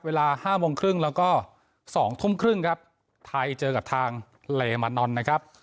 เวลา๕โมงครึ่งแล้วก็๒ทุ่มครึ่งครับไทยเจอกับทางเลมานอนนะครับ